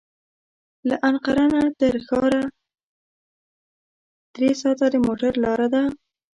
له انقره تر هغه ښاره درې ساعته د موټر لاره ده.